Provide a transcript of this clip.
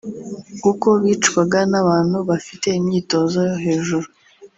kuko bicwaga n’abantu bafite imyitozo yo hejuru